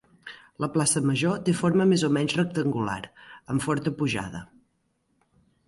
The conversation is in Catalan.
La Plaça Major té forma més o menys rectangular, amb forta pujada.